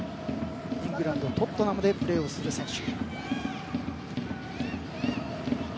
イングランド、トットナムでプレーする選手。